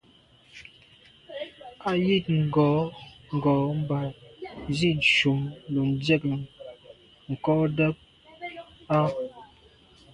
A jíìt ngòó ngò mbā zíìt shùm lo ndzíə́k ncɔ́ɔ̀ʼdə́ a.